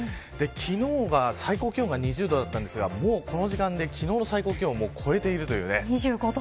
昨日は最高気温が２０度でしたがもうこの時間で昨日の最高気温を超えています。